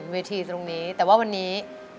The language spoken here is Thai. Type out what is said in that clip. เวทีตรงนี้แต่ว่าวันนี้